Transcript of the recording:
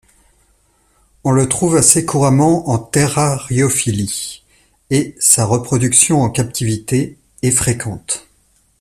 On le trouve assez couramment en terrariophilie, et sa reproduction en captivité est fréquente.